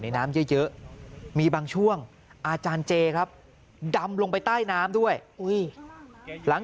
น้ำเยอะมีบางช่วงอาจารย์เจครับดำลงไปใต้น้ำด้วยหลัง